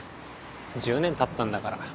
１０年たったんだから。